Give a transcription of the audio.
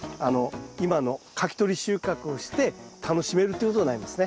今のかき取り収穫をして楽しめるということになりますね。